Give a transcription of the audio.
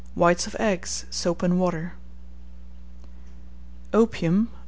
Whites of Eggs, Soap and Water. Calomel........................